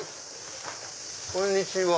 こんにちは。